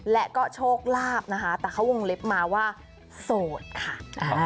และก็โชคลาภนะคะแต่เขาวงเล็บมาว่าโสดค่ะ